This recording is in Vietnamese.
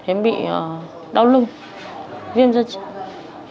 em bị đau lưng viêm dây trắng